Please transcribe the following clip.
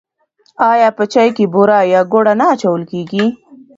آیا په چای کې بوره یا ګوړه نه اچول کیږي؟